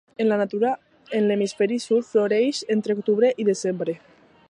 En la natura, en l'hemisferi sud, floreix entre octubre i desembre.